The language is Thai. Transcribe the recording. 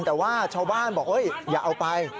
แต่ว่าชาวบ้านบอกอย่าเอาไป